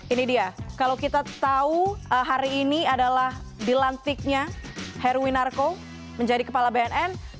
ini dia kalau kita tahu hari ini adalah di lantiknya heru winarko menjadi kepala bnn